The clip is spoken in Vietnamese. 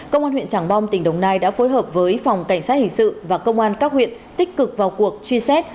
công an huyện tràng bom tỉnh đồng nai đã phối hợp với phòng cảnh sát hình sự và công an các huyện tích cực vào cuộc truy xét